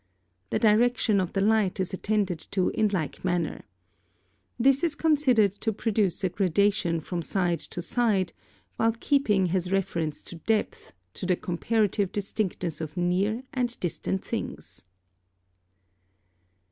The direction of the light is attended to in like manner. This is considered to produce a gradation from side to side, while keeping has reference to depth, to the comparative distinctness of near and distant things.